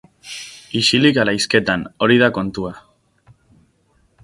Isilik ala hizketan?, hori da kontua.